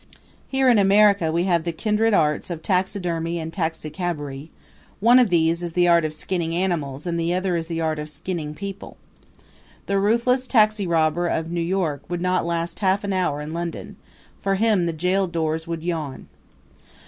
Here in America we have the kindred arts of taxidermy and taxicabbery; one of these is the art of skinning animals and the other is the art of skinning people. The ruthless taxirobber of New York would not last half an hour in London; for him the jail doors would yawn.